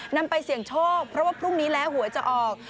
นำไปเสี่ยงโชคเพราะว่าพรุ่งนี้แล้วหวยจะออก